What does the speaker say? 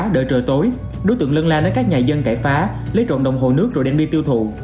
đợi trời tối đối tượng lân la đến các nhà dân cải phá lấy trộm đồng hồ nước rồi đem đi tiêu thụ